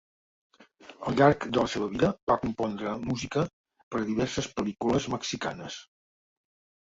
Al llarg de la seva vida va compondre música per a diverses pel·lícules mexicanes.